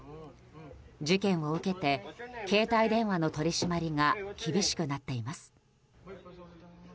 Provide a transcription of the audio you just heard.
事件を受けて携帯電話の取り締まりが厳しくなっています。